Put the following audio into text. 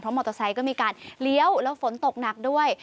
มอเตอร์ไซค์ก็มีการเลี้ยวแล้วฝนตกหนักด้วย